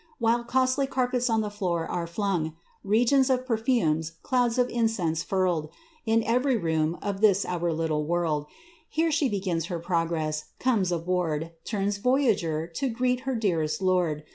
While costly carpets on the floor are flung ; Regions of perfumes, clouds of incense hurled, In every room of this our little world ; Here she begins her progress, comes aboard, Turns voyager, to greet her dearest lord.